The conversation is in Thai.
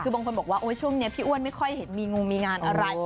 คือบางคนบอกว่าช่วงนี้พี่อ้วนไม่ค่อยเห็นมีงงมีงานอะไร